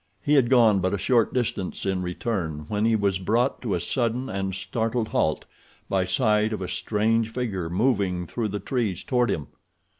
He had gone but a short distance in return when he was brought to a sudden and startled halt by sight of a strange figure moving through the trees toward him.